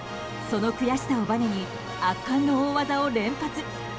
その悔しさをばねに圧巻の大技を連発。